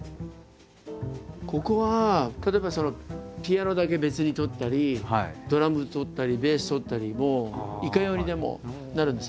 ここは例えばピアノだけ別にとったりドラムとったりベースとったりもういかようにでもなるんです。